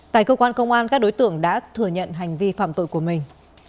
tại cơ quan công an các đối tượng đã thừa nhận hành vi phạm tội của mình